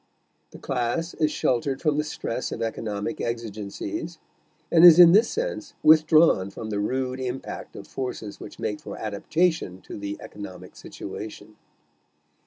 The class is sheltered from the stress of economic exigencies, and is in this sense withdrawn from the rude impact of forces which make for adaptation to the economic situation.